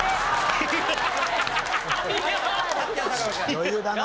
余裕だな。